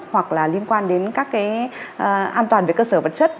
hoặc là liên quan đến các cái an toàn về cơ sở vật chất